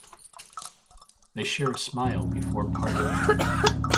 They share a smile before parting.